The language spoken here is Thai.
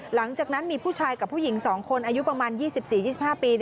หลังจากนั้นมีผู้ชายกับผู้หญิง๒คนอายุประมาณ๒๔๒๕ปี